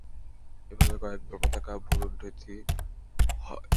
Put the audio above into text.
এভাবে কয়েকবার পতাকা ভূলুণ্ঠিত হয়।